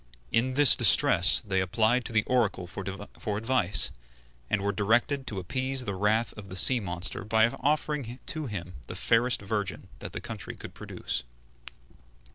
In this distress they applied to the Oracle for advice, and were directed to appease the wrath of the sea monster by offering to him the fairest virgin that the country could produce.